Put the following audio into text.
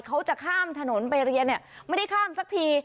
เขาจะข้ามถนนไปเรียนเนี่ยไม่ได้ข้ามสักที